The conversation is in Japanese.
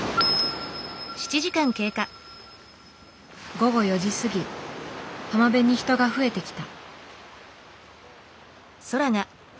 午後４時過ぎ浜辺に人が増えてきた。